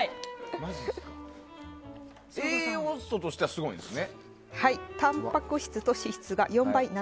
栄養素としてはすごいんですね。